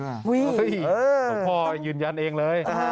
หุ้ยหลวงพ่อยืนยันเองเลย